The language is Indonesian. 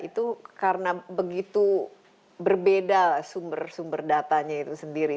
itu karena begitu berbeda sumber sumber datanya itu sendiri